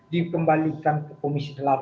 dikembalikan ke komisi delapan